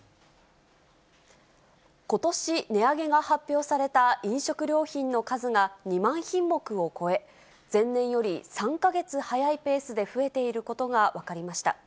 ことし値上げが発表された飲食料品の数が２万品目を超え、前年より３か月早いペースで増えていることが分かりました。